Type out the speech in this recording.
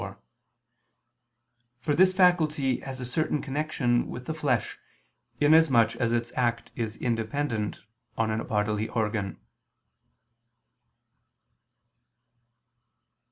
_ iii, 5), for this faculty has a certain connection with the flesh, in as much as its act is independent on a bodily organ.